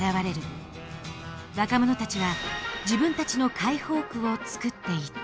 若者たちは自分たちの解放区を作っていった。